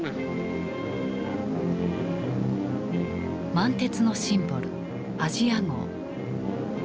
満鉄のシンボルあじあ号。